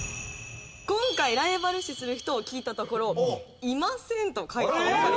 今回ライバル視する人を聞いたところ「いません」と回答されました。